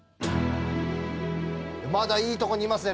まだいいとこにいますね